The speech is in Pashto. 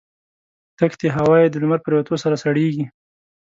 دښتي هوا یې د لمر پرېوتو سره سړېږي.